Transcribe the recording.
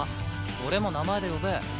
俺も名前で呼べ。